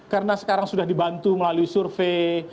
karena sekarang sudah dibantu melalui survei